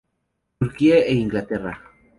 Turquía e Inglaterra.